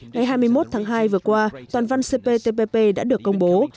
ngày hai mươi một tháng hai vừa qua toàn văn cptpp đã được công bố